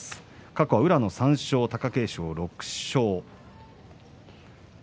過去は宇良が３勝、貴景勝が６勝。